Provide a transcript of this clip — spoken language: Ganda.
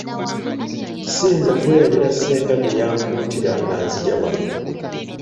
Ssiyinza kwerabira ssenga bye yankuutira nga nzijja wano.